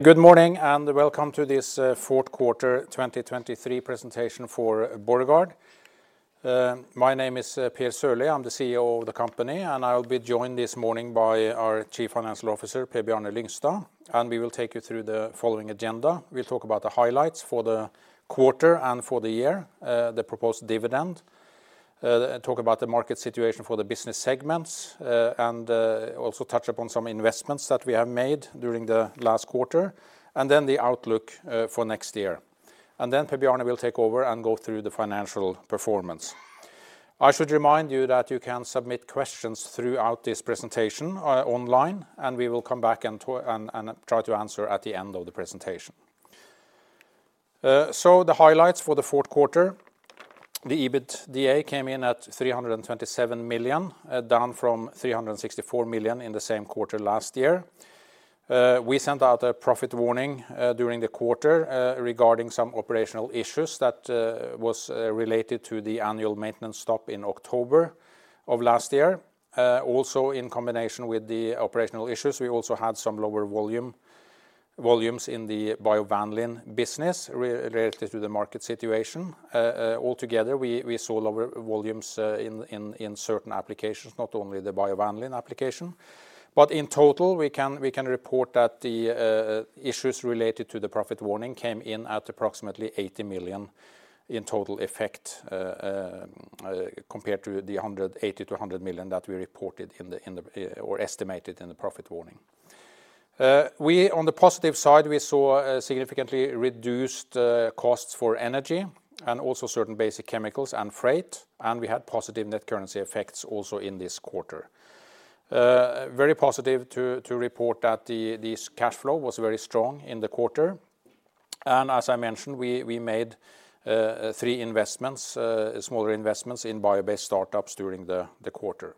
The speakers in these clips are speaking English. Good morning, and welcome to this fourth quarter 2023 presentation for Borregaard. My name is Per Sørlie. I'm the CEO of the company, and I'll be joined this morning by our Chief Financial Officer, Per Bjarne Lyngstad, and we will take you through the following agenda. We'll talk about the highlights for the quarter and for the year, the proposed dividend. Talk about the market situation for the business segments, and also touch upon some investments that we have made during the last quarter, and then the outlook for next year. Then Per Bjarne will take over and go through the financial performance. I should remind you that you can submit questions throughout this presentation online, and we will come back and try to answer at the end of the presentation. So the highlights for the fourth quarter, the EBITDA came in at 327 million, down from 364 million in the same quarter last year. We sent out a profit warning during the quarter regarding some operational issues that was related to the annual maintenance stop in October of last year. Also, in combination with the operational issues, we also had some lower volumes in bio-vanillin business related to the market situation. Altogether, we saw lower volumes in certain applications, not only bio-vanillin application. But in total, we can report that the issues related to the profit warning came in at approximately 80 million in total effect, compared to the hundred. 80 million-100 million that we reported in the- or estimated in the profit warning. We, on the positive side, saw a significantly reduced costs for energy and also certain basic chemicals and freight, and we had positive net currency effects also in this quarter. Very positive to report that the, this cash flow was very strong in the quarter, and as I mentioned, we made three investments, smaller investments in bio-based startups during the quarter.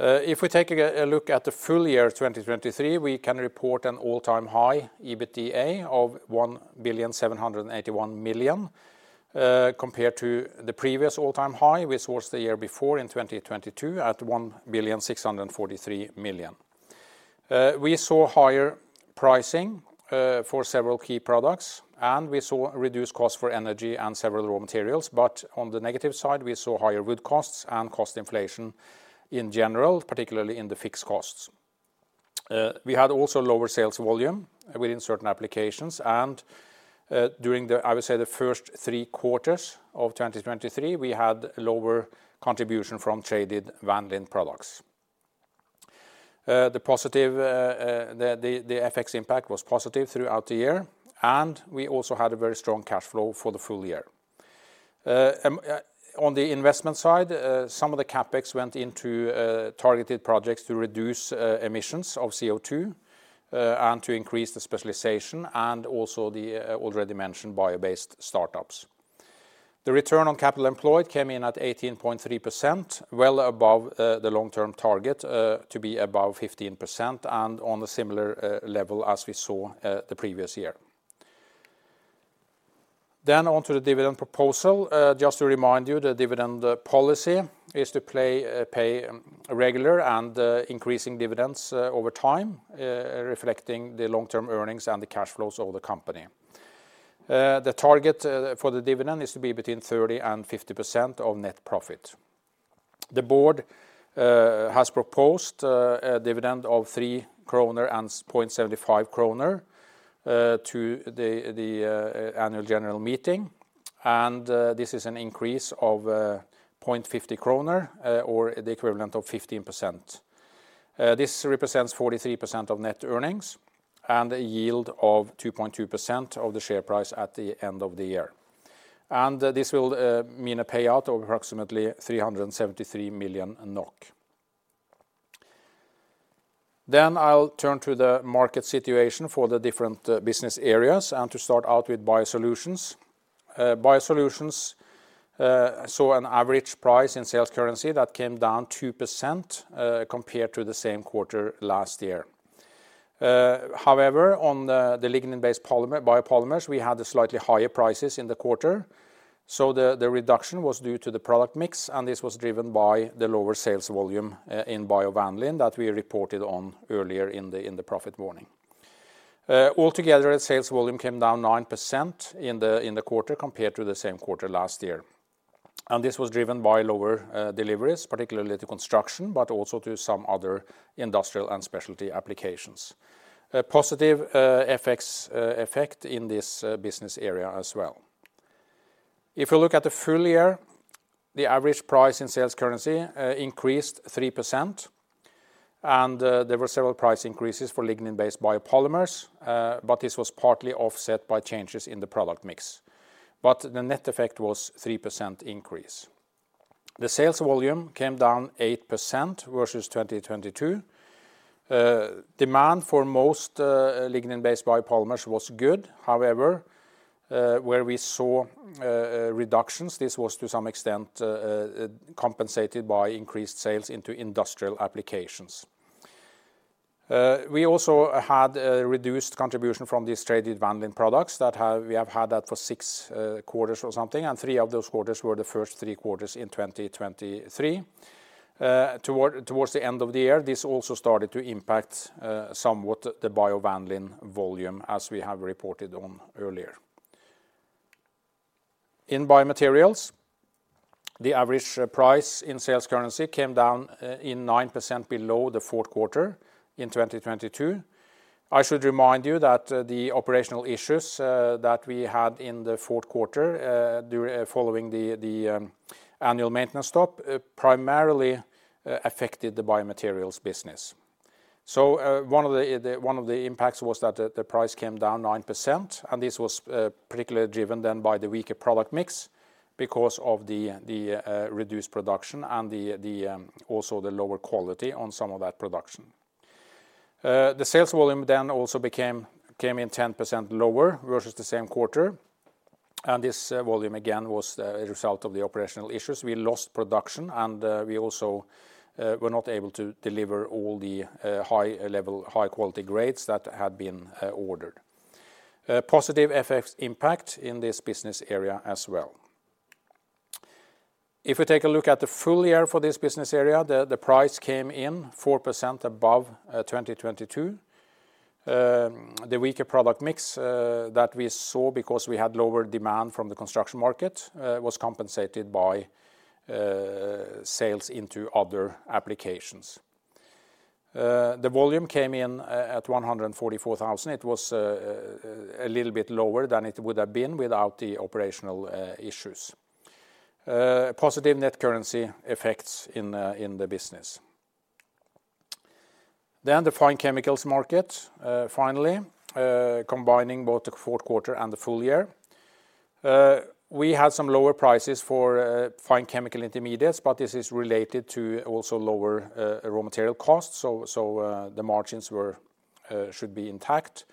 If we take a look at the full year 2023, we can report an all-time high EBITDA of 1,781 million, compared to the previous all-time high, which was the year before in 2022, at 1,643 million. We saw higher pricing for several key products, and we saw reduced costs for energy and several raw materials. But on the negative side, we saw higher wood costs and cost inflation in general, particularly in the fixed costs. We had also lower sales volume within certain applications, and during the, I would say, the first three quarters of 2023, we had lower contribution from traded vanillin products. The positive, the FX impact was positive throughout the year, and we also had a very strong cash flow for the full year. On the investment side, some of the CapEx went into targeted projects to reduce emissions of CO2, and to increase the specialization and also the already mentioned bio-based startups. The return on capital employed came in at 18.3%, well above the long-term target to be above 15% and on a similar level as we saw the previous year. Then on to the dividend proposal. Just to remind you, the dividend policy is to pay regular and increasing dividends over time, reflecting the long-term earnings and the cash flows of the company. The target for the dividend is to be between 30% and 50% of net profit. The board has proposed a dividend of 3.75 kroner to the Annual General Meeting, and this is an increase of 0.50 kroner, or the equivalent of 15%. This represents 43% of net earnings and a yield of 2.2% of the share price at the end of the year. This will mean a payout of approximately 373 million NOK. Then I'll turn to the market situation for the different business areas and to start out with BioSolutions. BioSolutions saw an average price in sales currency that came down 2%, compared to the same quarter last year. However, on the lignin-based polymer, Biopolymers, we had slightly higher prices in the quarter, so the reduction was due to the product mix, and this was driven by the lower sales volume bio-vanillin that we reported on earlier in the profit warning. Altogether, sales volume came down 9% in the quarter compared to the same quarter last year, and this was driven by lower deliveries, particularly to construction, but also to some other industrial and specialty applications. A positive FX effect in this business area as well. If you look at the full year, the average price in sales currency increased 3%, and there were several price increases for lignin-based biopolymers, but this was partly offset by changes in the product mix, but the net effect was 3% increase. The sales volume came down 8% versus 2022. Demand for most lignin-based biopolymers was good. However, where we saw reductions, this was to some extent compensated by increased sales into industrial applications. We also had a reduced contribution from these traded vanillin products that have. We have had that for 6 quarters or something, and 3 of those quarters were the first three quarters in 2023. towards the end of the year, this also started to impact somewhat bio-vanillin volume, as we have reported on earlier. In BioMaterials, the average price in sales currency came down 9% below the fourth quarter in 2022. I should remind you that the operational issues that we had in the fourth quarter following the annual maintenance stop primarily affected the BioMaterials business. So, one of the impacts was that the price came down 9%, and this was particularly driven then by the weaker product mix because of the reduced production and also the lower quality on some of that production. The sales volume then also came in 10% lower versus the same quarter, and this volume again was a result of the operational issues. We lost production, and we also were not able to deliver all the high-level, high-quality grades that had been ordered. Positive FX impact in this business area as well. If we take a look at the full year for this business area, the price came in 4% above 2022. The weaker product mix that we saw because we had lower demand from the construction market was compensated by sales into other applications. The volume came in at 144,000. It was a little bit lower than it would have been without the operational issues. Positive net currency effects in the business. Then the Fine Chemicals market, finally, combining both the fourth quarter and the full year. We had some lower prices for Fine chemical intermediates, but this is related to also lower raw material costs, so the margins should be intact.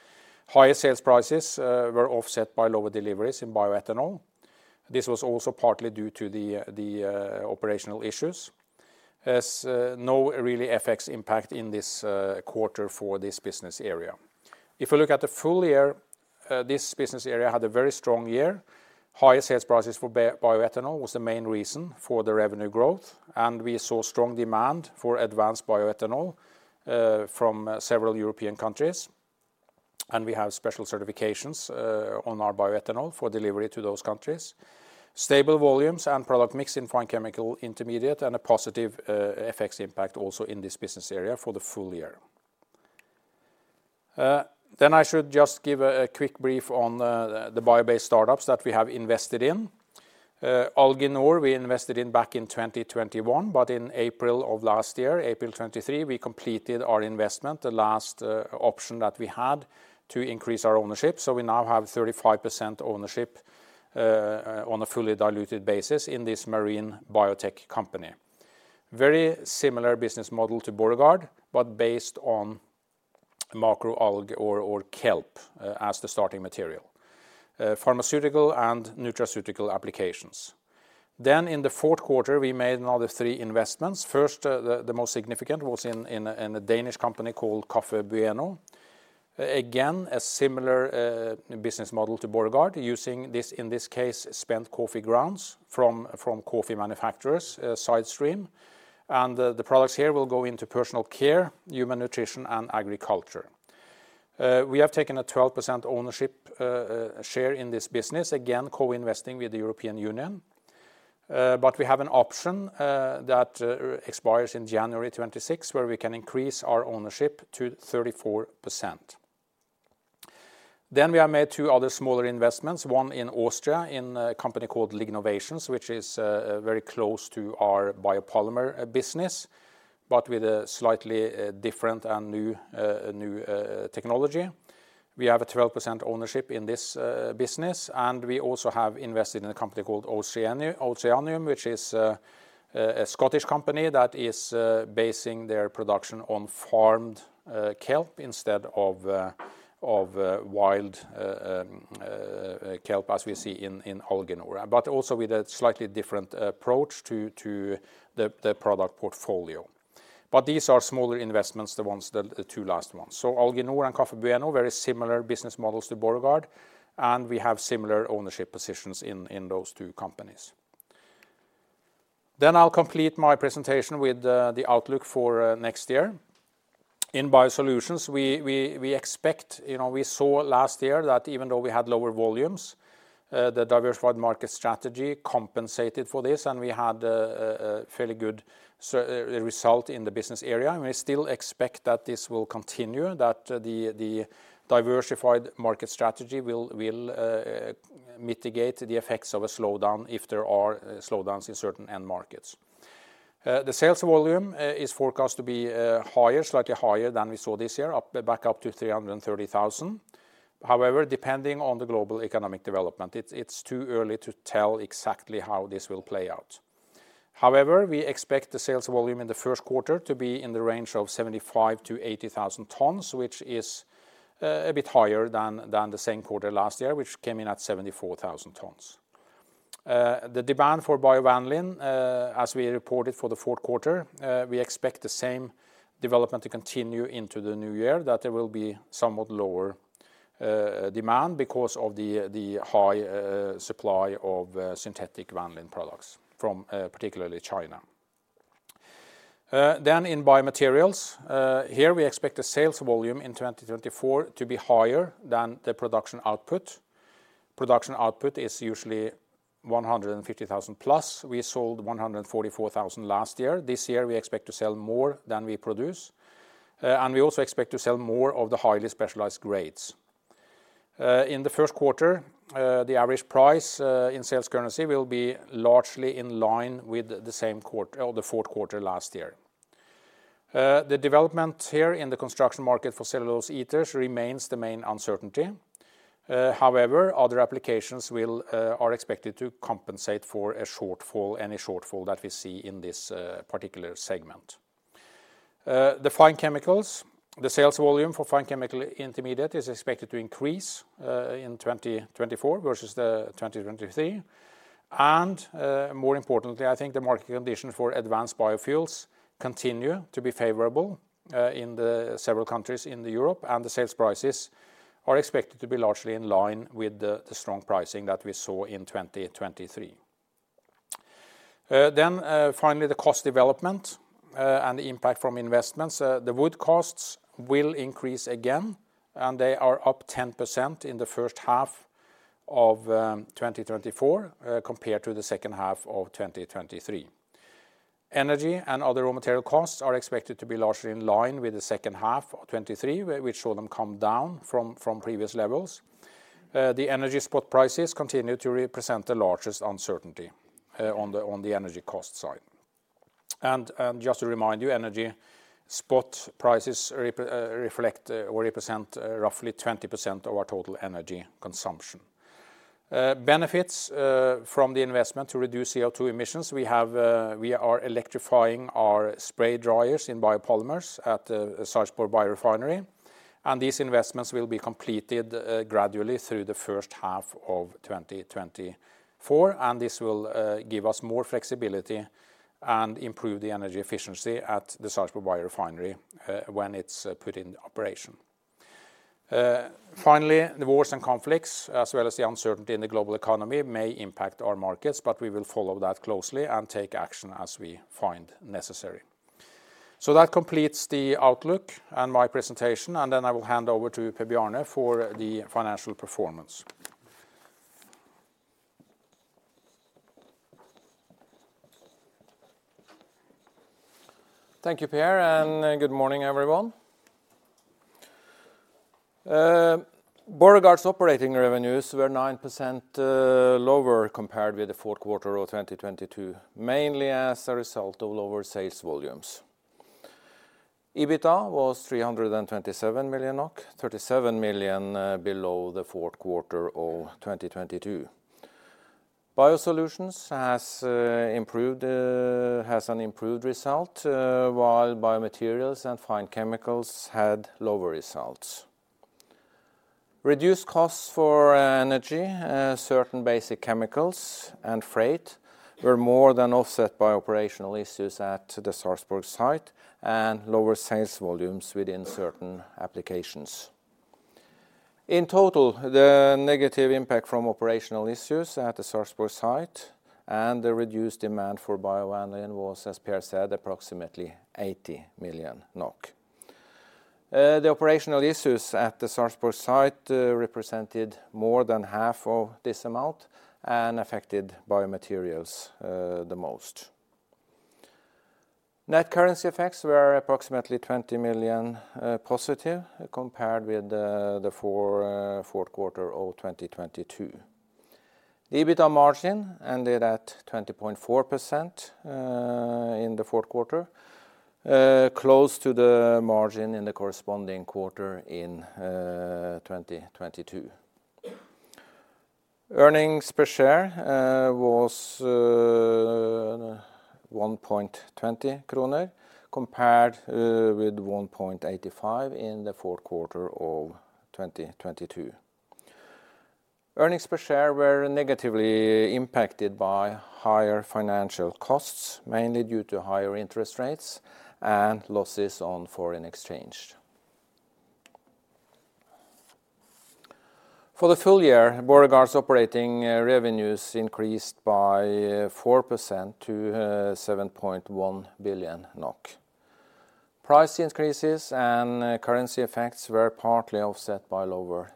Higher sales prices were offset by lower deliveries in bioethanol. This was also partly due to the operational issues. As, no really FX impact in this quarter for this business area. If we look at the full year, this business area had a very strong year. Higher sales prices for bioethanol was the main reason for the revenue growth, and we saw strong demand for advanced bioethanol from several European countries, and we have special certifications on our bioethanol for delivery to those countries. Stable volumes and product mix in Fine chemical intermediate, and a positive FX impact also in this business area for the full year. Then I should just give a quick brief on the bio-based startups that we have invested in. Alginor, we invested in back in 2021, but in April of last year, April 2023, we completed our investment, the last option that we had to increase our ownership. So we now have 35% ownership on a fully diluted basis in this marine biotech company. Very similar business model to Borregaard, but based on macroalgae or kelp as the starting material. Pharmaceutical and nutraceutical applications. Then in the fourth quarter, we made another three investments. First, the most significant was in a Danish company called Kaffe Bueno. Again, a similar business model to Borregaard, using this, in this case, spent coffee grounds from coffee manufacturers side stream. And the products here will go into personal care, human nutrition, and agriculture. We have taken a 12% ownership share in this business, again, co-investing with the European Union. But we have an option that expires in January 2026, where we can increase our ownership to 34%. Then we have made two other smaller investments, one in Austria, in a company called Lignovations, which is very close to our biopolymer business, but with a slightly different and new technology. We have a 12% ownership in this business, and we also have invested in a company called Oceanium, which is a Scottish company that is basing their production on farmed kelp instead of wild kelp, as we see in Alginor, but also with a slightly different approach to the product portfolio. But these are smaller investments, the ones. the two last ones. So Alginor and Kaffe Bueno, very similar business models to Borregaard, and we have similar ownership positions in those two companies. Then I'll complete my presentation with the outlook for next year. In BioSolutions, we expect. You know, we saw last year that even though we had lower volumes, the diversified market strategy compensated for this, and we had a fairly good result in the business area, and we still expect that this will continue, that the diversified market strategy will mitigate the effects of a slowdown if there are slowdowns in certain end markets. The sales volume is forecast to be higher, slightly higher than we saw this year, back up to 330,000. However, depending on the global economic development, it's too early to tell exactly how this will play out. However, we expect the sales volume in the first quarter to be in the range of 75,000-80,000 tons, which is a bit higher than the same quarter last year, which came in at 74,000 tons. The demand bio-vanillin, as we reported for the fourth quarter, we expect the same development to continue into the new year, that there will be somewhat lower demand because of the high supply of synthetic vanillin products from particularly China. Then in BioMaterials, here we expect the sales volume in 2024 to be higher than the production output. Production output is usually 150,000+. We sold 144,000 last year. This year, we expect to sell more than we produce, and we also expect to sell more of the highly specialized grades. In the first quarter, the average price in sales currency will be largely in line with the same quarter or the fourth quarter last year. The development here in the construction market for cellulose ethers remains the main uncertainty. However, other applications are expected to compensate for any shortfall that we see in this particular segment. The Fine Chemicals, the sales volume for Fine chemical intermediate is expected to increase in 2024 versus 2023. More importantly, I think the market condition for advanced biofuels continue to be favorable in several countries in Europe, and the sales prices are expected to be largely in line with the strong pricing that we saw in 2023. Then, finally, the cost development and the impact from investments. The wood costs will increase again, and they are up 10% in the first half of 2024 compared to the second half of 2023. Energy and other raw material costs are expected to be largely in line with the second half of 2023, where we saw them come down from previous levels. The energy spot prices continue to represent the largest uncertainty on the energy cost side. Just to remind you, energy spot prices reflect or represent roughly 20% of our total energy consumption. Benefits from the investment to reduce CO2 emissions, we have, we are electrifying our spray dryers in Biopolymers at Sarpsborg Biorefinery, and these investments will be completed gradually through the first half of 2024, and this will give us more flexibility and improve the energy efficiency at the Sarpsborg Biorefinery when it's put in operation. Finally, the wars and conflicts, as well as the uncertainty in the global economy, may impact our markets, but we will follow that closely and take action as we find necessary. So that completes the outlook and my presentation, and then I will hand over to Per Bjarne for the financial performance. Thank you, Per, and good morning, everyone. Borregaard's operating revenues were 9% lower compared with the fourth quarter of 2022, mainly as a result of lower sales volumes. EBITDA was 327 million NOK, 37 million below the fourth quarter of 2022. BioSolutions has an improved result, while BioMaterials and Fine Chemicals had lower results. Reduced costs for energy, certain basic chemicals and freight were more than offset by operational issues at the Sarpsborg site and lower sales volumes within certain applications. In total, the negative impact from operational issues at the Sarpsborg site and the reduced demand bio-vanillin was, as Per said, approximately 80 million NOK. The operational issues at the Sarpsborg site represented more than half of this amount and affected BioMaterials the most. Net currency effects were approximately 20 million positive compared with the fourth quarter of 2022. The EBITDA margin ended at 20.4% in the fourth quarter, close to the margin in the corresponding quarter in 2022. Earnings per share was 1.20 kroner, compared with 1.85 in the fourth quarter of 2022. Earnings per share were negatively impacted by higher financial costs, mainly due to higher interest rates and losses on foreign exchange. For the full year, Borregaard's operating revenues increased by 4% to 7.1 billion NOK. Price increases and currency effects were partly offset by lower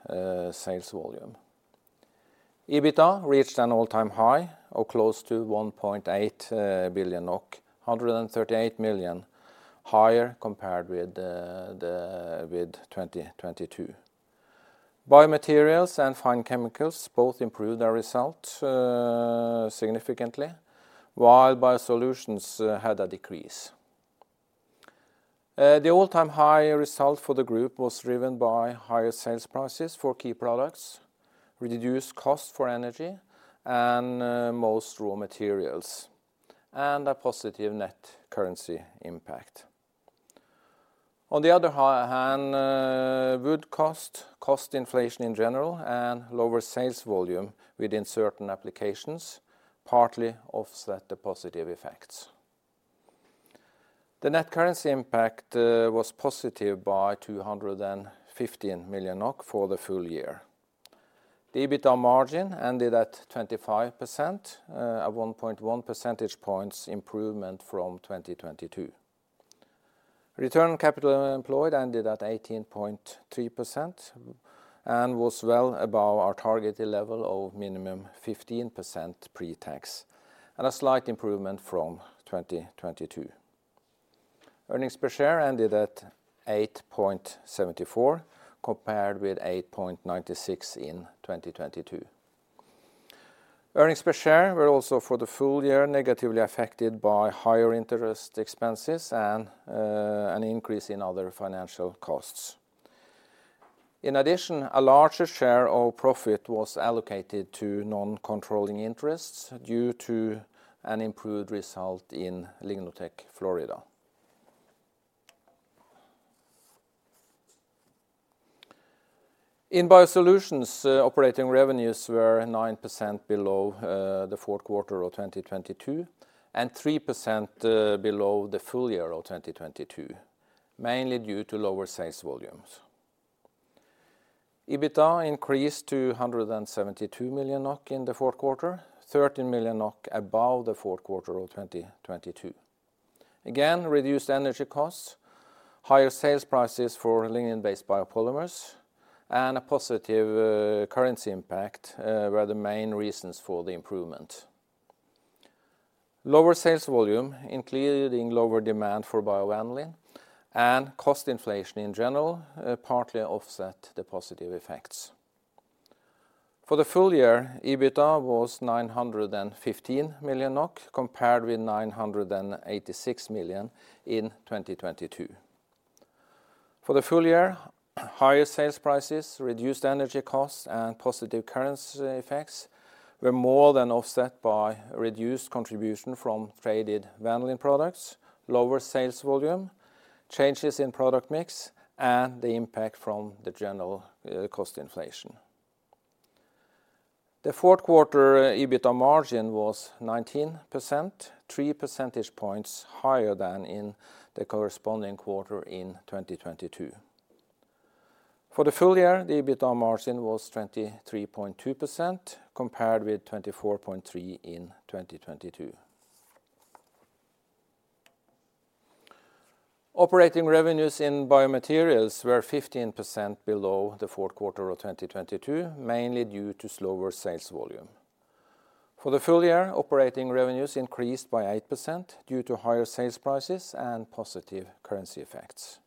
sales volume. EBITDA reached an all-time high of close to 1.8 billion NOK, 138 million higher compared with 2022. BioMaterials and Fine Chemicals both improved their results significantly, while BioSolutions had a decrease. The all-time high result for the group was driven by higher sales prices for key products, reduced cost for energy and most raw materials, and a positive net currency impact. On the other hand, wood cost, cost inflation in general, and lower sales volume within certain applications partly offset the positive effects. The net currency impact was positive by 215 million NOK for the full year. The EBITDA margin ended at 25%, a 1.1 percentage points improvement from 2022. Return on capital employed ended at 18.3%, and was well above our targeted level of minimum 15% pre-tax, and a slight improvement from 2022. Earnings per share ended at 8.74, compared with 8.96 in 2022. Earnings per share were also, for the full year, negatively affected by higher interest expenses and an increase in other financial costs. In addition, a larger share of profit was allocated to non-controlling interests due to an improved result in LignoTech Florida. In BioSolutions, operating revenues were 9% below the fourth quarter of 2022, and 3% below the full year of 2022, mainly due to lower sales volumes. EBITDA increased to 172 million NOK in the fourth quarter, 13 million NOK above the fourth quarter of 2022. Again, reduced energy costs, higher sales prices for lignin-based biopolymers, and a positive currency impact were the main reasons for the improvement. Lower sales volume, including lower demand for bioanisole and cost inflation in general partly offset the positive effects. For the full year, EBITDA was 915 million NOK, compared with 986 million in 2022. For the full year, higher sales prices, reduced energy costs, and positive currency effects were more than offset by reduced contribution from traded vanillin products, lower sales volume, changes in product mix, and the impact from the general cost inflation. The fourth quarter EBITDA margin was 19%, three percentage points higher than in the corresponding quarter in 2022. For the full year, the EBITDA margin was 23.2%, compared with 24.3% in 2022. Operating revenues in BioMaterials were 15% below the fourth quarter of 2022, mainly due to slower sales volume. For the full year, operating revenues increased by 8% due to higher sales prices and positive currency effects.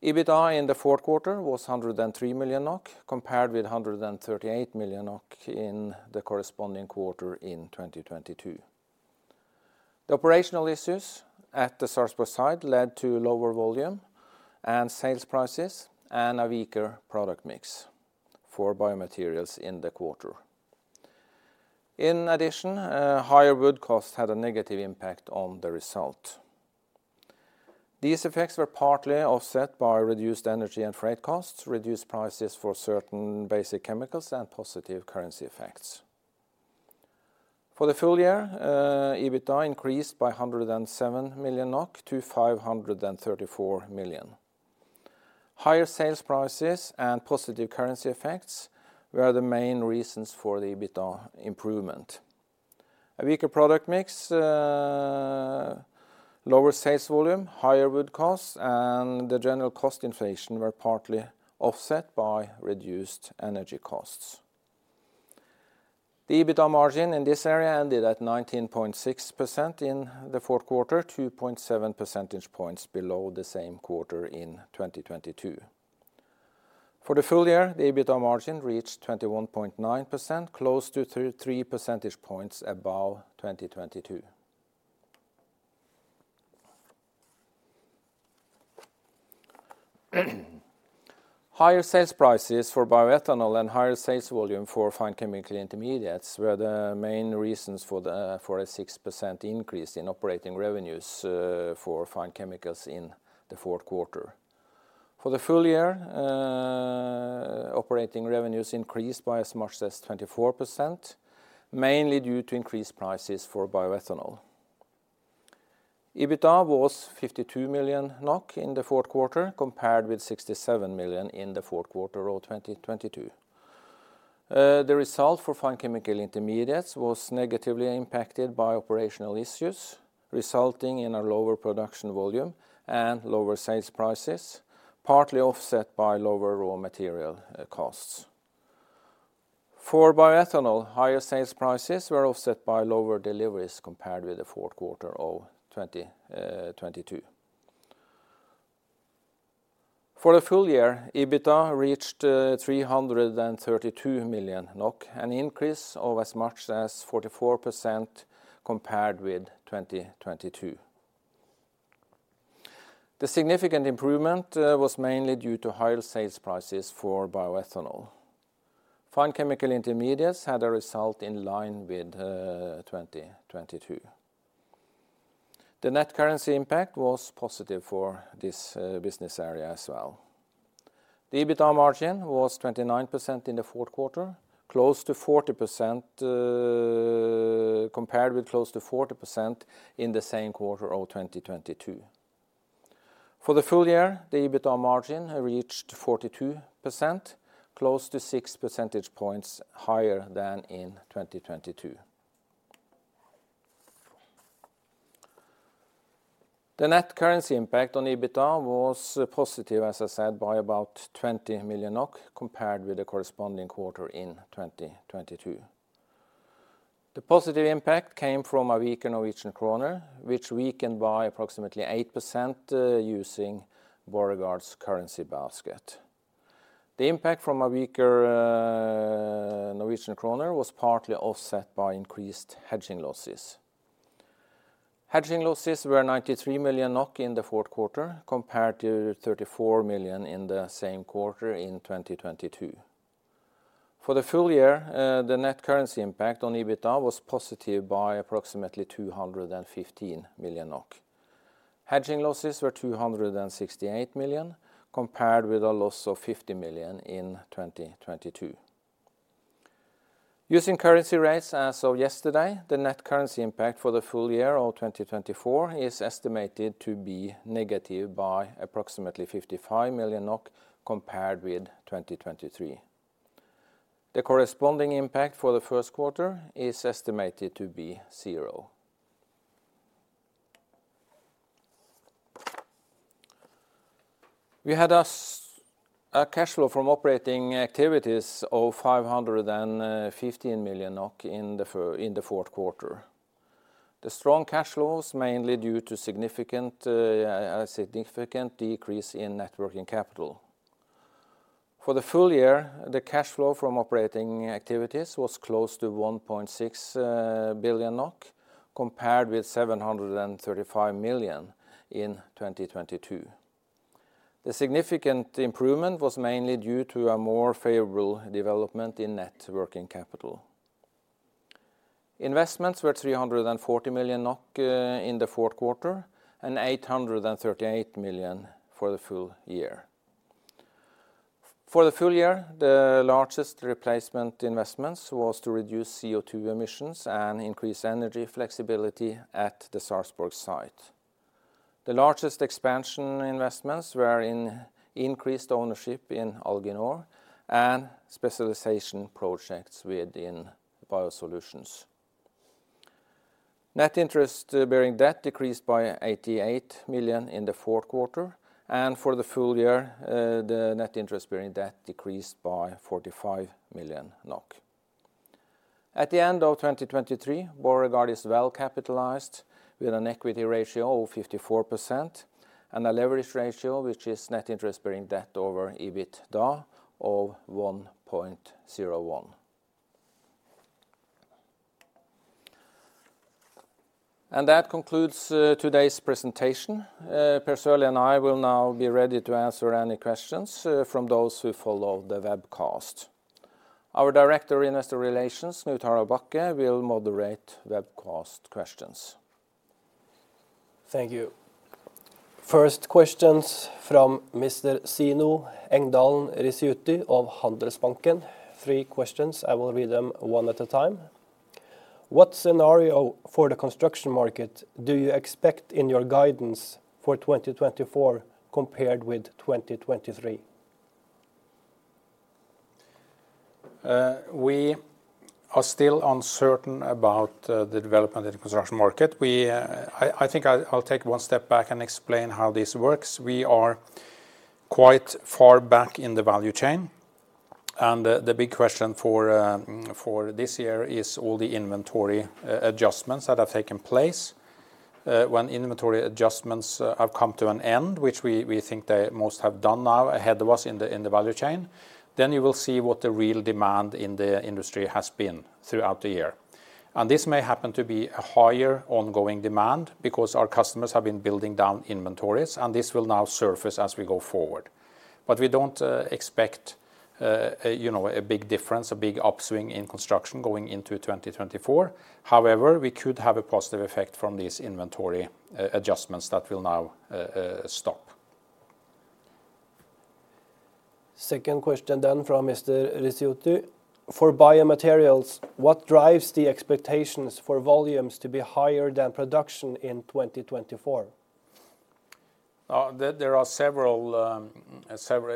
EBITDA in the fourth quarter was 103 million NOK, compared with 138 million NOK in the corresponding quarter in 2022. The operational issues at the Sarpsborg site led to lower volume and sales prices, and a weaker product mix for BioMaterials in the quarter. In addition, higher wood costs had a negative impact on the result. These effects were partly offset by reduced energy and freight costs, reduced prices for certain basic chemicals, and positive currency effects. For the full year, EBITDA increased by 107 million NOK to 534 million. Higher sales prices and positive currency effects were the main reasons for the EBITDA improvement. A weaker product mix, lower sales volume, higher wood costs, and the general cost inflation were partly offset by reduced energy costs. The EBITDA margin in this area ended at 19.6% in the fourth quarter, 2.7 percentage points below the same quarter in 2022. For the full year, the EBITDA margin reached 21.9%, close to three percentage points above 2022. Higher sales prices for bioethanol and higher sales volume for Fine Chemical intermediates were the main reasons for a 6% increase in operating revenues, for Fine Chemicals in the fourth quarter. For the full year, operating revenues increased by as much as 24%, mainly due to increased prices for bioethanol. EBITDA was 52 million NOK in the fourth quarter, compared with 67 million NOK in the fourth quarter of 2022. The result for Fine chemical intermediates was negatively impacted by operational issues, resulting in a lower production volume and lower sales prices, partly offset by lower raw material costs. For bioethanol, higher sales prices were offset by lower deliveries compared with the fourth quarter of 2022. For the full year, EBITDA reached 332 million NOK, an increase of as much as 44% compared with 2022. The significant improvement was mainly due to higher sales prices for bioethanol. Fine chemical intermediates had a result in line with 2022. The net currency impact was positive for this business area as well. The EBITDA margin was 29% in the fourth quarter, close to 40%, compared with close to 40% in the same quarter of 2022. For the full year, the EBITDA margin reached 42%, close to six percentage points higher than in 2022. The net currency impact on EBITDA was positive, as I said, by about 20 million NOK, compared with the corresponding quarter in 2022. The positive impact came from a weaker Norwegian kroner, which weakened by approximately 8%, using Borregaard's currency basket. The impact from a weaker Norwegian kroner was partly offset by increased hedging losses. Hedging losses were 93 million NOK in the fourth quarter, compared to 34 million in the same quarter in 2022. For the full year, the net currency impact on EBITDA was positive by approximately 215 million NOK. Hedging losses were 268 million, compared with a loss of 50 million in 2022. Using currency rates as of yesterday, the net currency impact for the full year of 2024 is estimated to be negative by approximately 55 million NOK, compared with 2023. The corresponding impact for the first quarter is estimated to be zero. We had a cash flow from operating activities of 515 million NOK in the fourth quarter. The strong cash flows mainly due to significant a significant decrease in net working capital. For the full year, the cash flow from operating activities was close to 1.6 billion NOK, compared with 735 million in 2022. The significant improvement was mainly due to a more favorable development in net working capital. Investments were 340 million NOK in the fourth quarter, and 838 million for the full year. For the full year, the largest replacement investments was to reduce CO2 emissions and increase energy flexibility at the Sarpsborg site. The largest expansion investments were in increased ownership in Alginor and specialization projects within BioSolutions. Net interest-bearing debt decreased by 88 million in the fourth quarter, and for the full year, the net interest-bearing debt decreased by 45 million NOK. At the end of 2023, Borregaard is well capitalized, with an equity ratio of 54% and a leverage ratio, which is net interest-bearing debt over EBITDA, of 1.01. That concludes today's presentation. Per Sørlie and I will now be ready to answer any questions from those who follow the webcast. Our Director, Investor Relations, Knut-Harald Bakke, will moderate webcast questions. Thank you. First questions from Mr. Sindre Engdal Risjø of Handelsbanken. Three questions, I will read them one at a time. What scenario for the construction market do you expect in your guidance for 2024 compared with 2023? We are still uncertain about the development of the construction market. I think I'll take one step back and explain how this works. We are quite far back in the value chain, and the big question for this year is all the inventory adjustments that have taken place. When inventory adjustments have come to an end, which we think they most have done now ahead of us in the value chain, then you will see what the real demand in the industry has been throughout the year. And this may happen to be a higher ongoing demand because our customers have been building down inventories, and this will now surface as we go forward. But we don't expect, you know, a big difference, a big upswing in construction going into 2024. However, we could have a positive effect from these inventory adjustments that will now stop. Second question then from Mr. Risjø: For BioMaterials, what drives the expectations for volumes to be higher than production in 2024? There are several.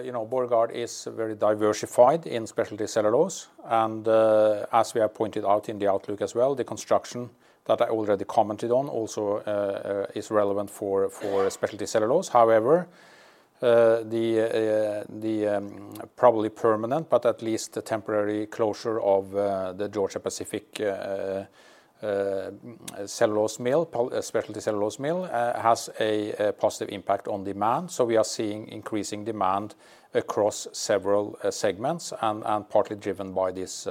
You know, Borregaard is very diversified in specialty cellulose, and, as we have pointed out in the outlook as well, the construction that I already commented on also is relevant for specialty cellulose. However, the probably permanent, but at least the temporary closure of the Georgia-Pacific cellulose mill, specialty cellulose mill, has a positive impact on demand. So we are seeing increasing demand across several segments and partly driven by this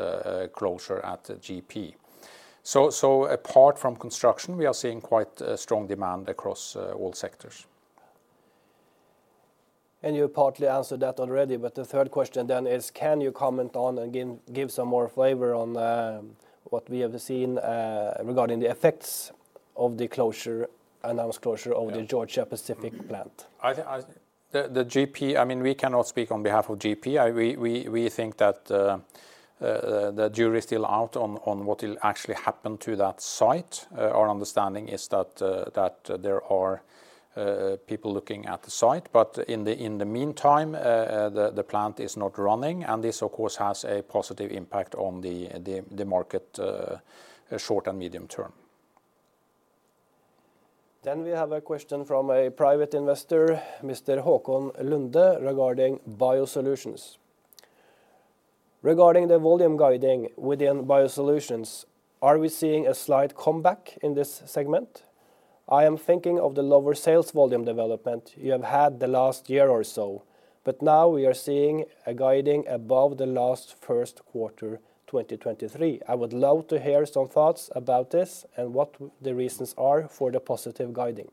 closure at GP. So apart from construction, we are seeing quite a strong demand across all sectors. You partly answered that already, but the third question then is: Can you comment on and give some more flavor on what we have seen regarding the effects of the announced closure of the Georgia-Pacific plant? I think, the GP, I mean, we cannot speak on behalf of GP. We think that the jury's still out on what will actually happen to that site. Our understanding is that there are people looking at the site, but in the meantime, the plant is not running, and this, of course, has a positive impact on the market, short and medium term. Then we have a question from a private investor, Mr. Håkon Lunde, regarding BioSolutions. "Regarding the volume guiding within BioSolutions, are we seeing a slight comeback in this segment? I am thinking of the lower sales volume development you have had the last year or so, but now we are seeing a guiding above the last first quarter 2023. I would love to hear some thoughts about this and what the reasons are for the positive guiding.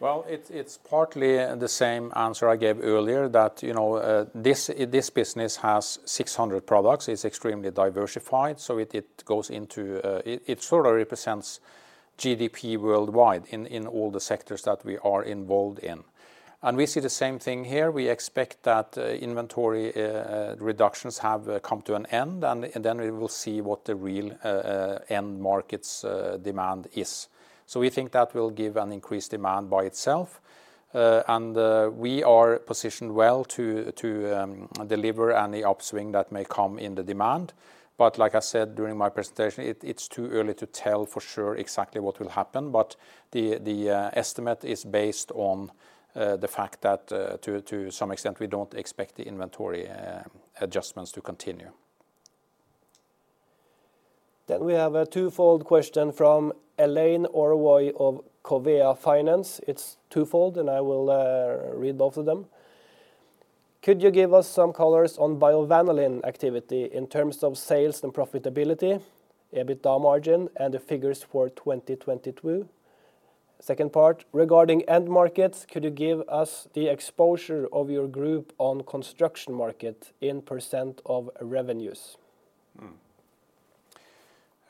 Well, it's partly the same answer I gave earlier, that you know, this business has 600 products. It's extremely diversified, so it goes into. It sort of represents GDP worldwide in all the sectors that we are involved in. And we see the same thing here. We expect that inventory reductions have come to an end, and then we will see what the real end market's demand is. So we think that will give an increased demand by itself. And we are positioned well to deliver any upswing that may come in the demand. But like I said during my presentation, it's too early to tell for sure exactly what will happen. But the estimate is based on the fact that to some extent we don't expect the inventory adjustments to continue. Then we have a twofold question from Hélène Oro of Covea Finance. It's twofold, and I will read both of them. "Could you give us some colors bio-vanillin activity in terms of sales and profitability, EBITDA margin, and the figures for 2022?" Second part: "Regarding end markets, could you give us the exposure of your group on construction market in % of revenues?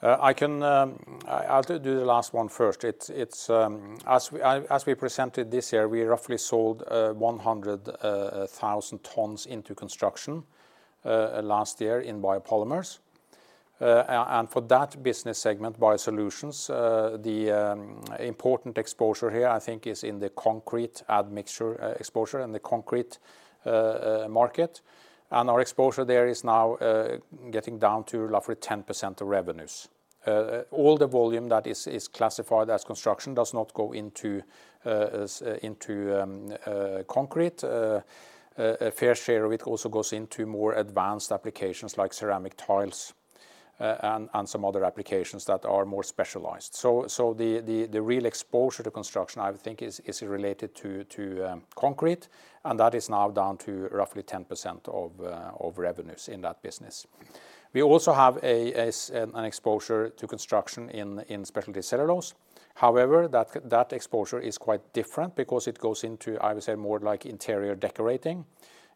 I can. I'll do the last one first. It's, it's, as we, as we presented this year, we roughly sold 100,000 tons into construction last year in Biopolymers. And, and for that business segment, BioSolutions, the, important exposure here, I think, is in the concrete admixture exposure and the concrete market. And our exposure there is now getting down to roughly 10% of revenues. All the volume that is classified as construction does not go into into concrete. A fair share of it also goes into more advanced applications like ceramic tiles, and, and some other applications that are more specialized. So the real exposure to construction, I think, is related to concrete, and that is now down to roughly 10% of revenues in that business. We also have an exposure to construction in specialty cellulose. However, that exposure is quite different because it goes into, I would say, more like interior decorating.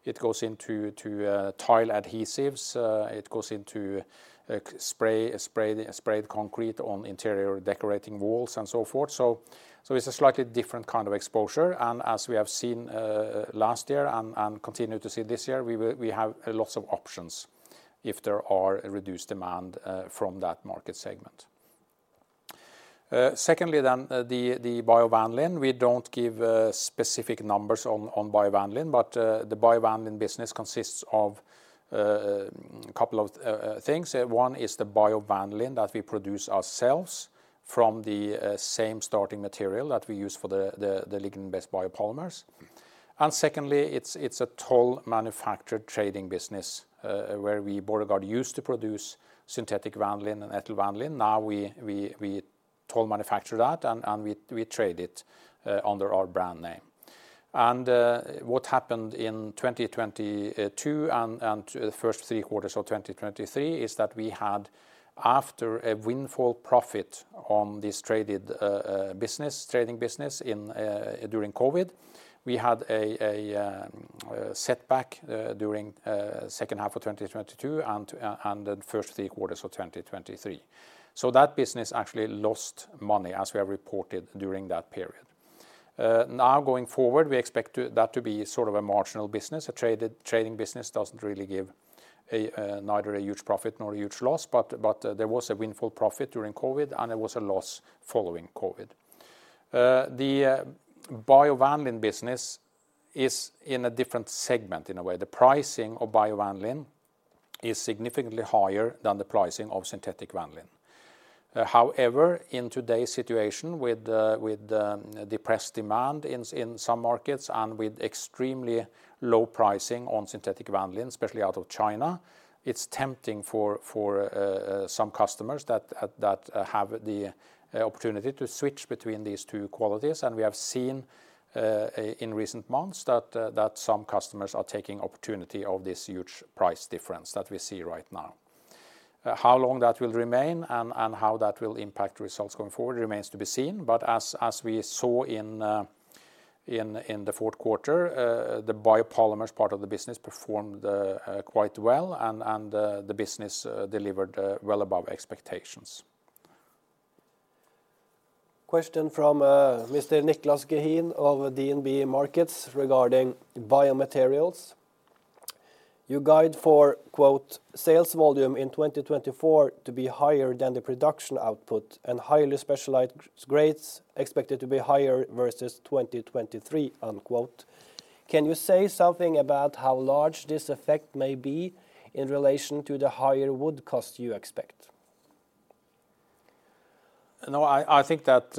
It goes into tile adhesives, it goes into sprayed concrete on interior decorating walls, and so forth. So it's a slightly different kind of exposure, and as we have seen last year and continue to see this year, we have lots of options if there are a reduced demand from that market segment. Secondly, then, bio-vanillin, we don't give specific numbers bio-vanillin, but bio-vanillin business consists of couple of things. One is bio-vanillin that we produce ourselves from the same starting material that we use for the lignin-based biopolymers. And secondly, it's a toll manufactured trading business where we, Borregaard used to produce synthetic vanillin and ethyl vanillin. Now we toll manufacture that, and we trade it under our brand name. And what happened in 2022 and the first 3 quarters of 2023 is that we had, after a windfall profit on this traded business, trading business during COVID, we had a setback during second half of 2022 and the first 3 quarters of 2023. So that business actually lost money, as we have reported during that period. Now, going forward, we expect that to be sort of a marginal business. A trading business doesn't really give a neither a huge profit nor a huge loss, but, but there was a windfall profit during COVID, and there was a loss following COVID. bio-vanillin business is in a different segment, in a way. The pricing bio-vanillin is significantly higher than the pricing of synthetic vanillin. However, in today's situation, with depressed demand in some markets, and with extremely low pricing on synthetic vanillin, especially out of China, it's tempting for some customers that have the opportunity to switch between these two qualities. We have seen in recent months that some customers are taking opportunity of this huge price difference that we see right now. How long that will remain and how that will impact results going forward remains to be seen. But as we saw in the fourth quarter, the Biopolymers part of the business performed quite well, and the business delivered well above expectations. Question from Mr. Niclas Gehin of DNB Markets regarding BioMaterials. "You guide for, quote, 'sales volume in 2024 to be higher than the production output, and highly specialized grades expected to be higher versus 2023,' unquote. Can you say something about how large this effect may be in relation to the higher wood cost you expect? No, I think that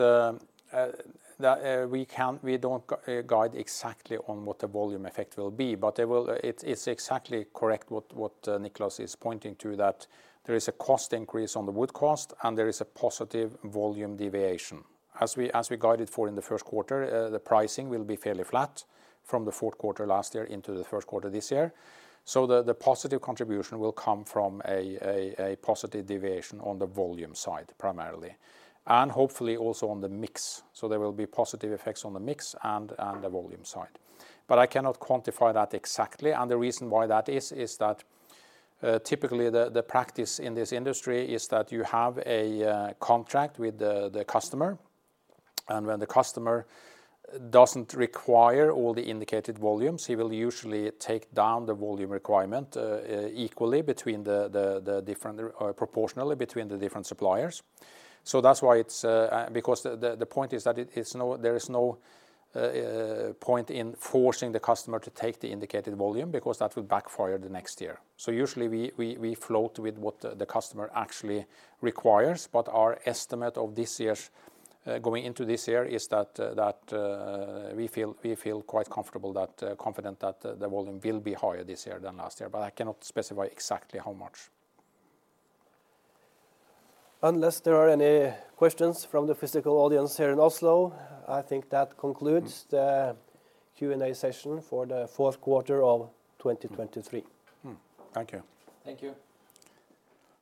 we don't guide exactly on what the volume effect will be, but it will. It's exactly correct, what Nicholas is pointing to, that there is a cost increase on the wood cost, and there is a positive volume deviation. As we guided for in the first quarter, the pricing will be fairly flat from the fourth quarter last year into the first quarter this year. So the positive contribution will come from a positive deviation on the volume side, primarily, and hopefully also on the mix. So there will be positive effects on the mix and the volume side. But I cannot quantify that exactly, and the reason why that is, is that typically the practice in this industry is that you have a contract with the customer, and when the customer doesn't require all the indicated volumes, he will usually take down the volume requirement proportionally between the different suppliers. So that's why it's. Because the point is that there is no point in forcing the customer to take the indicated volume, because that will backfire the next year. So usually, we float with what the customer actually requires, but our estimate of this year's going into this year is that we feel quite comfortable, confident that the volume will be higher this year than last year, but I cannot specify exactly how much. Unless there are any questions from the physical audience here in Oslo, I think that concludes the Q&A session for the fourth quarter of 2023. Mm. Thank you. Thank you.